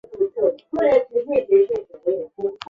你晶莹的目光不再流泪